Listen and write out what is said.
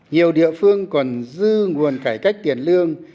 nhiều địa phương còn dư nguồn cải cách tiền lương